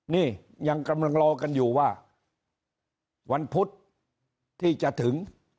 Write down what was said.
นี่ยังกำลังรอกันอยู่ว่าวันพุธที่จะถึง